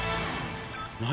何？